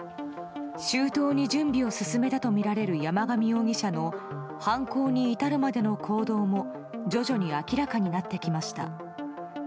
周到に準備を進めたとみられる山上容疑者の犯行に至るまでの行動も徐々に明らかになってきました。